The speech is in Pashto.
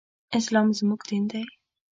اسلام زموږ دين دی